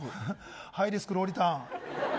ハイリスクローリターン。